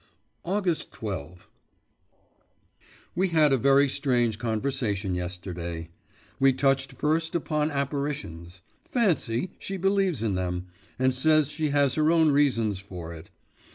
August 12. We had a very strange conversation yesterday. We touched first upon apparitions. Fancy, she believes in them, and says she has her own reasons for it.